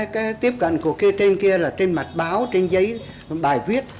cái tiếp cận của cái trên kia là trên mặt báo trên giấy bài viết